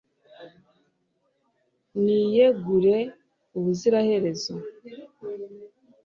niyegure ubuziraherezo